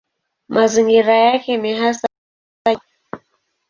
Mazingira yake ni hasa jangwa.